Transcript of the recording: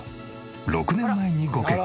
６年前にご結婚。